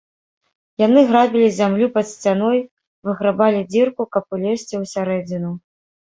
Яны граблі зямлю пад сцяной, выграбалі дзірку, каб улезці ў сярэдзіну.